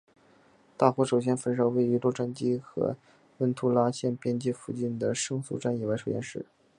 大火首先焚烧位于洛杉矶和文图拉县边界附近的圣苏珊娜野外实验室。